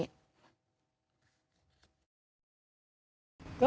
ก็ถามเขาว่าคุณเอารถเข้ามาจอดได้ยังไง